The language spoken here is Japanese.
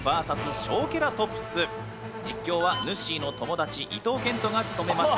実況はぬっしーの友達伊東健人が務めます。